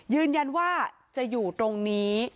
ยืนยันว่าจะอยู่ตรงนี้